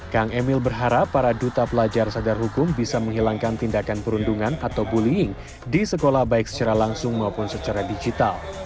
kang emil berharap para duta pelajar sadar hukum bisa menghilangkan tindakan perundungan atau bullying di sekolah baik secara langsung maupun secara digital